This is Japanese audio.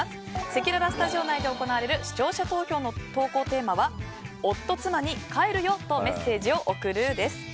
せきららスタジオ内で行われる視聴者投票の投稿テーマは夫・妻に帰るよメッセージを送る？です。